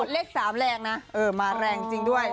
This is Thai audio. เลข๓แรงนะมาแรงจริงด้วย